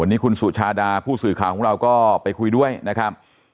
วันนี้คุณสุชาดาผู้สื่อข่าวของเราก็ไปคุยด้วยนะครับ